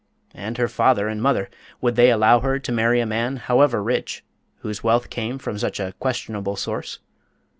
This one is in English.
And her father and mother would they allow her to marry a man, however rich, whose wealth came from such a questionable source?